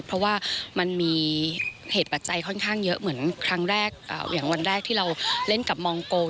เพราะว่ามันมีเหตุปัจจัยค่อนข้างเยอะเหมือนครั้งแรกอย่างวันแรกที่เราเล่นกับมองโกง